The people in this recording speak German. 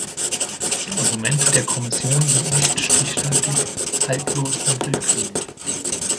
Die Argumente der Kommission sind nicht stichhaltig, haltlos und willkürlich.